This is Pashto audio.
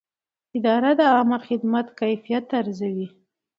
اداره د عامه خدمت کیفیت ارزوي.